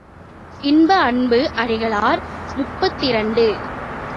இன்ப அன்பு அடிகளார் முப்பத்திரண்டு.